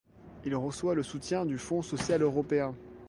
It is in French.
Il reçoit le soutien du Fonds social européen.